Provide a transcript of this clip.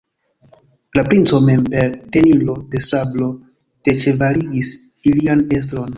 La princo mem per tenilo de sabro deĉevaligis ilian estron.